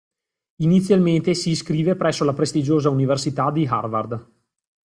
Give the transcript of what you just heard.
Inizialmente si iscrive presso la prestigiosa università di Harvard.